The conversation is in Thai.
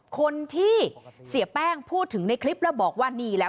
คนที่เสียแป้งพูดถึงในคลิปแล้วบอกว่านี่แล้ว